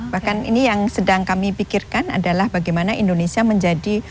bahkan ini yang sedang kami pikirkan adalah bagaimana indonesia menjadi